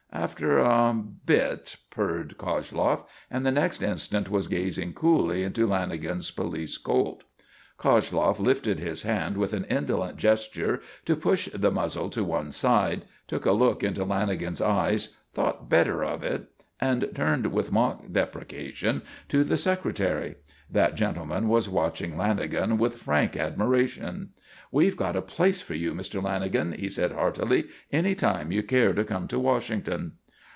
"After ah a bit," purred Koshloff, and the next instant was gazing coolly into Lanagan's police Colt. Koshloff lifted his hand with an indolent gesture, to push the muzzle to one side, took a look into Lanagan's eyes, thought better of it, and turned with mock deprecation to the Secretary. That gentleman was watching Lanagan with frank admiration. "We've got a place for you, Mr. Lanagan," he said, heartily, "any time you care to come to Washington."